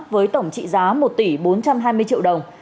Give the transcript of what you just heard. với tổng trị giá một tỷ bốn trăm hai mươi triệu đồng